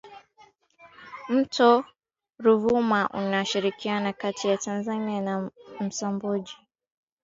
Mto Ruvuma una shirikiana kati ya Tanzania na Msumbiji